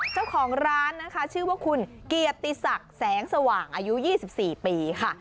เจ้าของร้านนะคะชื่อว่าคุณเกียรติศักดิ์แสงสว่างอายุ๒๔ปีค่ะ